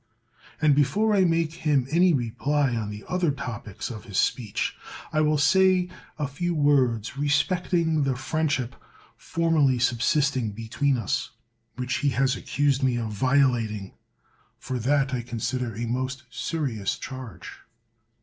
And before I make him any reply on the other topics of his speech, I will say a few words respecting the friendship formerly subsisting between us, which he has accused me of violating — for that I consider a most serious charge.